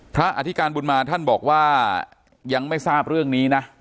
พระอธิการบุญมาศรีระเตโชท่านบอกว่ายังไม่ทราบเรื่องนี้นะ